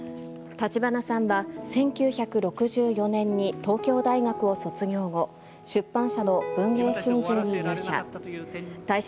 立花さんは１９６４年に東京大学を卒業後、出版社の文藝春秋に入社。